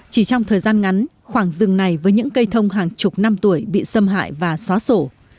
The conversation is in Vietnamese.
chỉ trong thời gian ngắn khoảng rừng này với những cây thông hàng chục năm tuổi bị xâm hại và xóa sổ